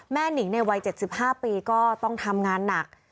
หนิงในวัย๗๕ปีก็ต้องทำงานหนัก